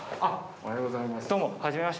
おはようございます。